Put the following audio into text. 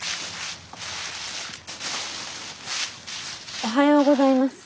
おはようございます。